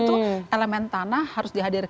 karena banyak orang membutuhkan kestabilan